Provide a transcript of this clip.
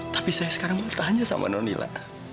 tapi saya sekarang mau tanya sama nonila